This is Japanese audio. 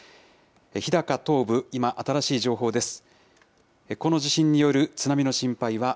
日高東部、今、新しい情報です。